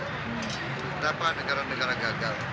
kenapa negara negara gagal